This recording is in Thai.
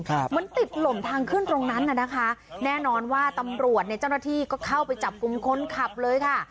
เหมือนติดหล่มทางขึ้นตรงนั้นน่ะนะคะแน่นอนว่าตำรวจเนี่ยเจ้าหน้าที่ก็เข้าไปจับกลุ่มคนขับเลยค่ะ